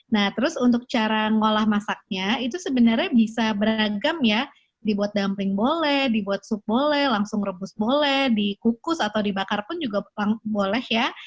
nah terus untuk cara ngolah masaknya itu sebenarnya bisa beragam ya dibuat dumpling boleh dibuat sup boleh langsung rebus boleh dikukus atau dibakar pun juga boleh ya